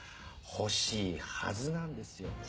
欲しいはずなんですよ